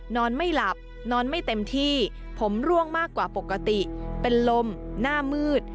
นอนไม่หลับนอนไม่เต็มที่ผมร่วงมากกว่าปกติเป็นลมหน้ามืด